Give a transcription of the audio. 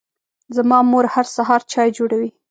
زما مور هر سهار چای جوړوي.